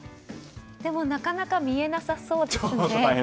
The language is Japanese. でも、なかなか見えなさそうですね。